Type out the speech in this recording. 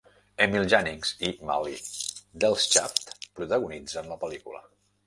Emil Jannings i Maly Delschaft protagonitzen la pel·lícula.